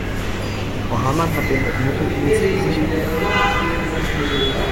Frau Hamann hat den öffentlichen Dienst für sich entdeckt.